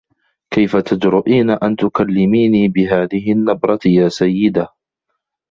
كيف تجرئين أن تكلّميني بهذه النّبرة يا سيّدة؟